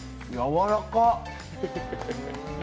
わらかっ。